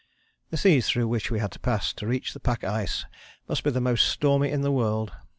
" The seas through which we had to pass to reach the pack ice must be the most stormy in the world.